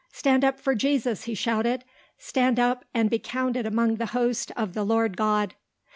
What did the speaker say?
"Stand up for Jesus," he shouted; "stand up and be counted among the host of the Lord God."